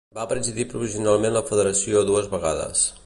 Va presidir provisionalment la federació dues vegades.